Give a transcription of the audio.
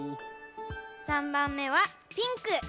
３ばんめはピンク！